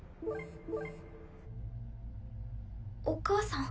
お母さん？